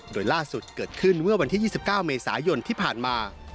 โดยล่าสุดเกิดขึ้นเมื่อวันที่๒๙เมษายนที่ผ่านมา